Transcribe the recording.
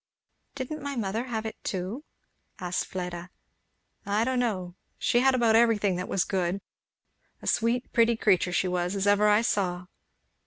"Didn't my mother have it too?" said Fleda. "I don't know she had about everything that was good. A gweet, pretty creature she was, as I ever saw."